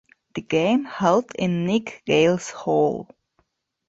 The game held in Nick Galis Hall.